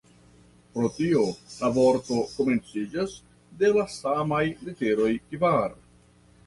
Pro tio la vorto komenciĝas de la samaj literoj "kvar".